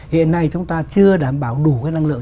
hiện nay chúng ta chưa đảm bảo đủ cái năng lượng